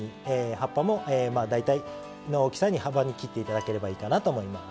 葉っぱも大体の大きさの幅に切って頂ければいいかと思います。